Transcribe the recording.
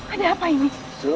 ada apa ini